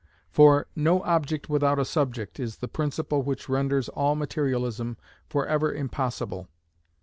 For, "no object without a subject," is the principle which renders all materialism for ever impossible.